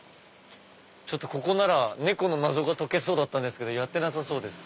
ここなら猫の謎が解けそうだったんですけどやってなさそうです。